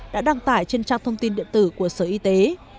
đã đăng tải trên trang thông tin điện tử của sở y tế